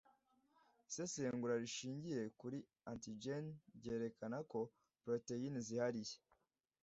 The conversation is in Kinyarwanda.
Isesengura rishingiye kuri antigen ryerekana poroteyine zihariye